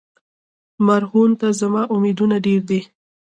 مرهون ته زما امیدونه ډېر دي.